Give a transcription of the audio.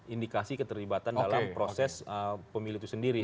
indikasi keterlibatan dalam proses pemilu itu sendiri